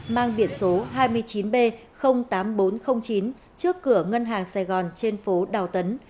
mang biển số hai mươi chín b tám nghìn bốn trăm linh chín trước cửa ngân hàng sài gòn trên phố đào tấn